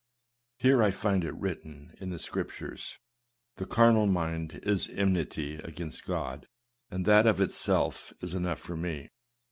Here I find it written in the Scrip tures, " The carnal mind is enmity against God ;" and that of itself is enough for me.